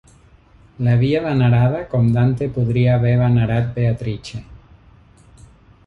L'havia venerada, com Dante podria haver venerat Beatrice.